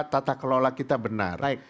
tata kelola kita benar